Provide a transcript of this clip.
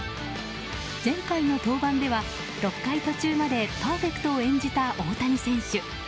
前回の登板では６回途中までパーフェクトを演じた大谷選手。